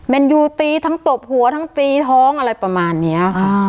นยูตีทั้งตบหัวทั้งตีท้องอะไรประมาณนี้ค่ะ